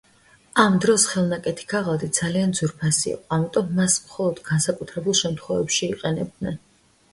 ამ დროს ხელნაკეთი ქაღალდი ძალიან ძვირფასი იყო, ამიტომ მას მხოლოდ განსაკუთრებულ შემთხვევებში იყენებდნენ.